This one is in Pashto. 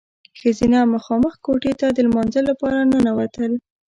ښځینه مخامخ کوټې ته د لمانځه لپاره ننوتل.